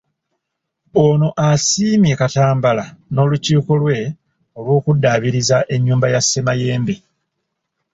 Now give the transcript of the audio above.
Ono asiimye Katambala n'olukiiko lwe olw'okuddaabiriza ennyumba Ssemayembe.